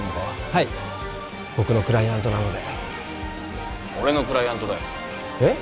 はい僕のクライアントなので俺のクライアントだよえっ？